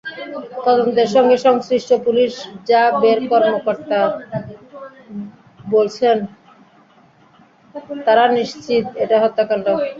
তদন্তের সঙ্গে সংশ্লিষ্ট পুলিশ-র্যা বের কর্মকর্তারা বলছেন, তাঁরা নিশ্চিত এটা হত্যাকাণ্ড।